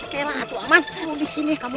terima kasih tempo